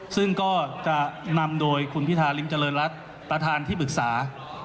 ซึ่งก็จะนำโดยคุณพิธาริมเจริญรัฐประธานที่ปรึกษา